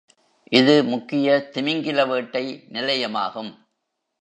இது முக்கிய திமிங்கில வேட்டை நிலையமாகும்.